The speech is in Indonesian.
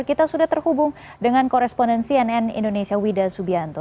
kita sudah terhubung dengan korespondensi nn indonesia wida subianto